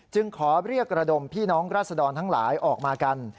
ขอเรียกระดมพี่น้องราศดรทั้งหลายออกมากัน